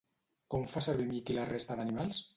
Com fa servir Mickey la resta d'animals?